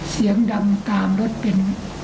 เสียงดังตามรถเป็น